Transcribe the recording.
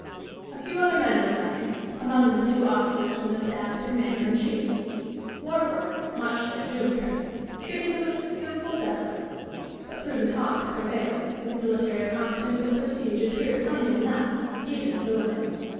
A few other men were dining; among them two officers from the staff of the Commander in Chief. Warkworth, much their junior, treated them with a skilful deference; but through the talk that prevailed his military competence and prestige appeared plainly enough, even to the women.